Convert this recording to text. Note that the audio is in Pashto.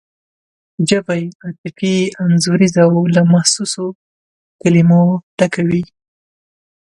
ژبه یې عاطفي انځوریزه او له محسوسو کلمو ډکه وي.